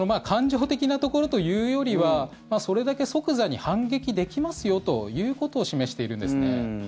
感情的なところというよりはそれだけ即座に反撃できますよということを示しているんです。